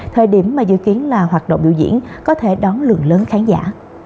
thời điểm mà dự kiến là hoạt động biểu diễn có thể đón lượng lớn khán giả